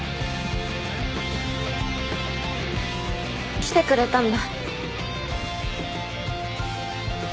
来てくれたんだ。